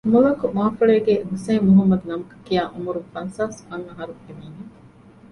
މުލަކު މާފޮޅޭގޭ ޙުސައިން މުޙައްމަދު ނަމަކަށްކިޔާ ޢުމުރުން ފަންސާސް އަށް އަހަރުގެ މީހެއް